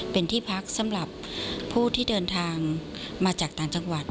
เป็นที่พักสำหรับผู้ที่เดินทางมาจากต่างจังหวัด